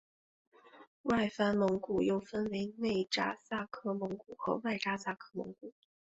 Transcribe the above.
外藩蒙古又分为内札萨克蒙古和外札萨克蒙古。